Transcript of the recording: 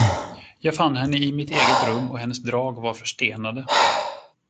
Jag fann henne i mitt eget rum och hennes drag var förstenade.